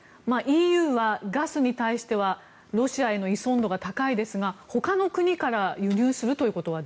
ＥＵはガスに対してはロシアへの依存度が高いですがほかの国から輸入するということは